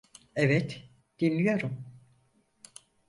Evet, dinliyorum.